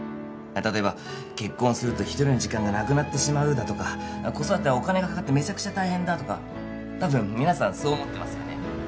例えば結婚すると一人の時間がなくなってしまうだとか子育てはお金がかかってメチャクチャ大変だとかたぶん皆さんそう思ってますよね